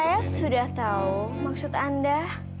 saya sudah tahu maksud anda